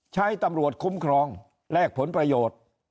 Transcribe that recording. ใช้ตำรวจคุ้มครองแลกผลประโยชน์